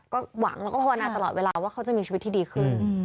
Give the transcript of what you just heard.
ก็หวังแล้วก็ภาวนาตลอดเวลาว่าเขาจะมีชีวิตที่ดีขึ้น